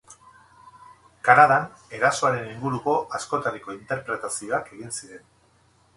Kanadan erasoaren inguruko askotariko interpretazioak egin ziren.